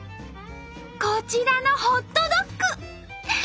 こちらのホットドッグ！